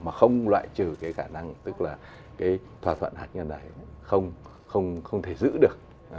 mà không loại trừ cái khả năng tức là cái thỏa thuận hạt nhân này không thể giữ được